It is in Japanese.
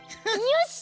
よし！